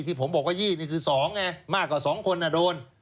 ที่ผมบอกว่ายี่นี่คือสองไงมากกว่าสองคนอ่ะโดน